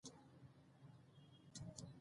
په افغانستان کې د د کابل سیند تاریخ اوږد دی.